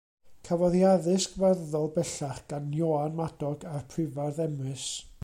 Cafodd hi addysg farddol bellach gan Ioan Madog a'r Prifardd Emrys.